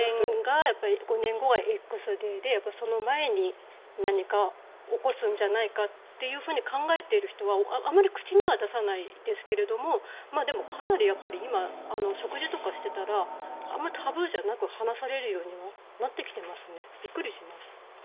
５年後がＸデーでその前に何か、起こすんじゃないかっていうふうに考えている人はあまり口には出さないですがでも、かなり今、食事とかしてたらあまりタブーじゃなく話されるようになってきていますびっくりします。